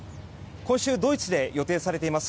今週、ドイツで予定されています